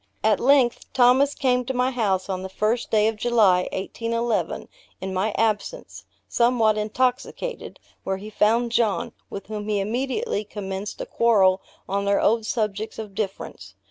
At length, Thomas came to my house on the 1st day of July, 1811, in my absence, somewhat intoxicated, where he found John, with whom he immediately commenced a quarrel on their old subjects of difference.